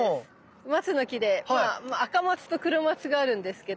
マツの木でまあアカマツとクロマツがあるんですけど。